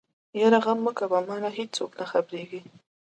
يره غم مکوه مانه ايڅوک نه خبرېږي.